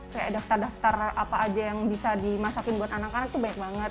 kayak daftar daftar apa aja yang bisa dimasakin buat anak anak itu banyak banget